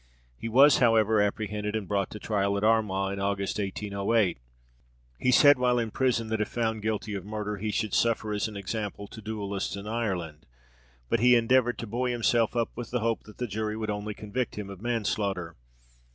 He was, however, apprehended, and brought to trial at Armagh, in August 1808. He said while in prison, that, if found guilty of murder, he should suffer as an example to duellists in Ireland; but he endeavoured to buoy himself up with the hope that the jury would only convict him of manslaughter.